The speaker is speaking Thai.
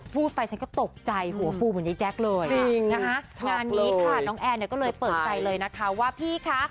พูดไปฉันก็ตกใจหัวฟูเหมือนยายแจ๊คเลยนะคะงานนี้ค่ะน้องแอนเนี่ยก็เลยเปิดใจเลยนะคะว่าพี่คะ